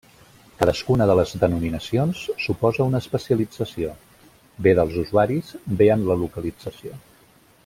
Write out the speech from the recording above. Cadascuna de les denominacions suposa una especialització: bé dels usuaris, bé en la localització.